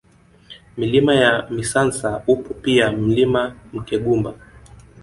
Milima ya Misansa upo pia Mlima Mkegumba